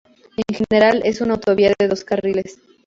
En general, es una autovía de dos carriles.